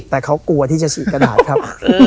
แต่เขากลัวที่จะฉีดกระดาษครับ